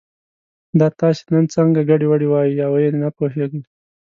دا تاسې نن څه ګډې وډې وایئ او یې نه پوهېږي.